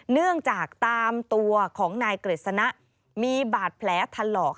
เนื่องจากตามตัวของนายกฤษณะมีบาดแผลถลอก